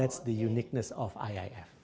itu uniknya iif